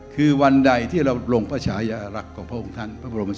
คือวันใดที่เราทรงพระชาญรกษ์กับพระองค์ท่าน